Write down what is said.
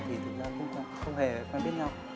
thì thực ra cũng không hề quen biết nhau